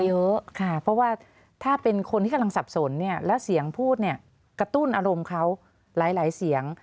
เพราะว่าถ้าเป็นคนที่กำลังสับสนแล้วเสียงพูดกระตุ้นอารมณ์เขาหลายเสียง